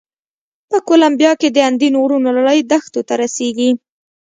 په کولمبیا کې د اندین غرونو لړۍ دښتو ته رسېږي.